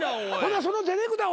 そのディレクター